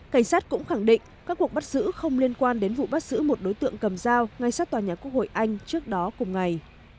cảnh sát cũng khẳng định các cuộc bắt giữ không liên quan đến vụ bắt giữ một đối tượng cầm dao ngay sát tòa nhà quốc hội anh trước đó cùng ngày